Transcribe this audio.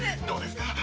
どうですか？